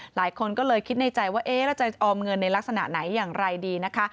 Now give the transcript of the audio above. หลายคนก็เลยคิดในใจว่าเอ๊ะแล้วจะออมเงินในลักษณะไหนอย่างไรดีนะคะ